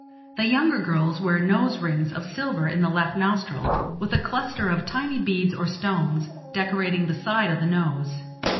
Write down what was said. The younger girls wear nose rings of silver in the left nostril, with a cluster of tiny beads or stones decorating the side of the nose.